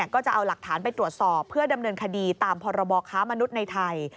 ก็จะเอาหลักฐานไปตรวจสอบเพื่อดำเนินคดีตามพรบค้ามนุษย์ในไทย